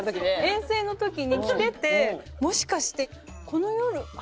遠征の時に着ててもしかして。